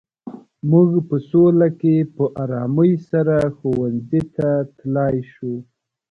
موږ په سوله کې په ارامۍ سره ښوونځي ته تلای شو.